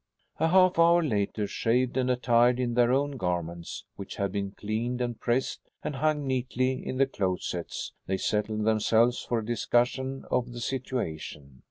A half hour later, shaved and attired in their own garments, which had been cleaned and pressed and hung neatly in the closets, they settled themselves for a discussion of the situation.